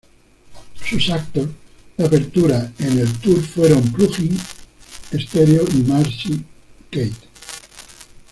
Sus actos de apertura en el tour fueron Plug In Stereo y Macy Kate.